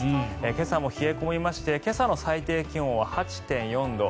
今朝も冷え込みまして今朝の最低気温は８．４度。